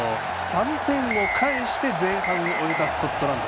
３点を返して前半を終えたスコットランド。